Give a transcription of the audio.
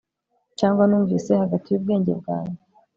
Cyangwa numvise hagati yubwenge bwanjye